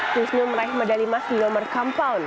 kisnu meraih medali emas di nomor kampau